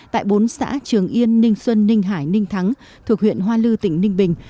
tại bốn xã trường yên ninh xuân ninh hải ninh thắng thuộc huyện hoa lư tỉnh ninh bình